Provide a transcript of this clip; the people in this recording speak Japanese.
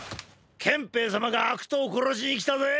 憲兵様が悪党を殺しに来たぜ！！